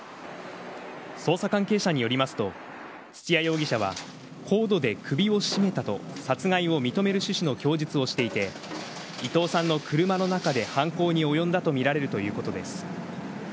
捜査関係者によりますと、土屋容疑者はコードで首を絞めたと、殺害を認める趣旨の供述をしていて、伊藤さんの車の中で犯行に及んだと見られるということです。